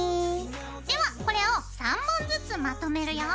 ではこれを３本ずつまとめるよ。